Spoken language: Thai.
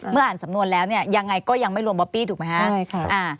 เมื่ออ่านสำนวนแล้วยังไงก็ยังไม่รวมบ๊อบบี้ถูกไหมคะ